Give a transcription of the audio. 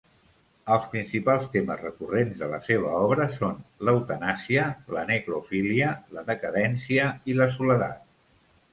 Els principals temes recurrents de la seva obra són l'eutanàsia, la necrofília, la decadència i la soledat.